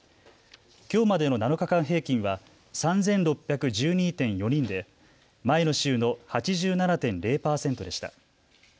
きょうまでの７日間平均は３６１２．４人で前の週の８７．０％でした。